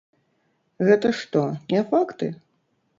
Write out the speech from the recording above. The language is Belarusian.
Гэта што, не факты?